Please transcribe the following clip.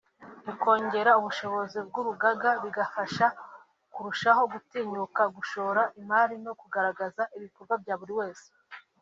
rikongera ubushobozi bw’urugaga bigafasha kurushaho gutinyuka gushora imari no kugaragaza ibikorwa bya buri wese